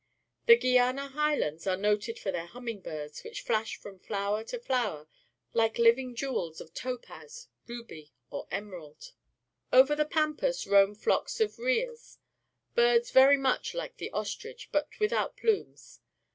The Guiana Highlands are noted for their hjimining bixds, wliich flash from flower to flower like to A Tap meet than living jewels of topaz, ruby, or emerald. Over the pampas roam flocks of rheas, birds very like the ostrich, but wdthout plumes.